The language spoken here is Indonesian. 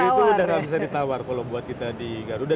itu sudah bisa ditawar kalau buat kita di garuda